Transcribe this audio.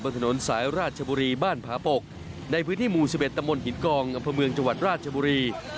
ถนนสายราชบุรีบ้านผาปกในพื้นที่หมู่๑๑ตำบลหินกองอำเภอเมืองจังหวัดราชบุรี